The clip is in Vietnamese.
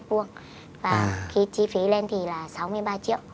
và khi chi phí lên thì là sáu mươi ba triệu